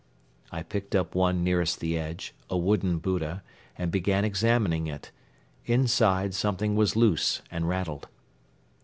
I picked up one nearest the edge, a wooden Buddha, and began examining it. Inside something was loose and rattled.